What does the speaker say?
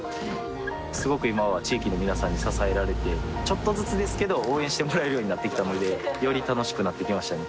すごく今は地域の皆さんに支えられてちょっとずつですけど応援してもらえるようになってきたのでより楽しくなってきましたね